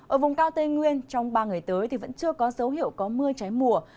ở vùng cao tây nguyên trong ba ngày tới thì vẫn chưa có dấu hiệu có mưa trái mùa